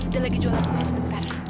dia lagi jualan kue sebentar